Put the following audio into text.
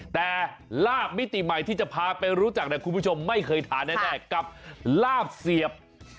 แต่ลาบมิติใหม่ที่จะพาไปรู้จักเนี่ยคุณผู้ชมไม่เคยทานแน่กับลาบเสียบ